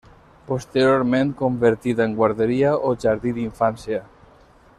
Posteriorment convertida en guarderia o jardí d'infància.